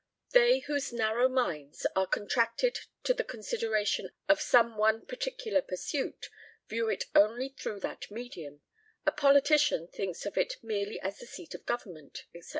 They whose narrow minds are contracted to the consideration of some one particular pursuit, view it only through that medium, a politician thinks of it merely as the seat of government, etc.